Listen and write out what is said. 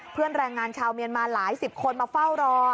แรงงานชาวเมียนมาหลายสิบคนมาเฝ้ารอ